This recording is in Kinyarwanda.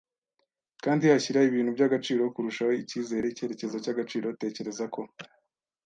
kandi ashyira ibintu by'agaciro kurushaho icyizere - icyerekezo cyagaciro, tekereza ko -